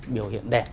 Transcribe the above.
biểu hiện đẹp